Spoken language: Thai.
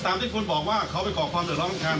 ตามที่คุณบอกว่าเขาไปกรอกความสุดร้อนของช้าง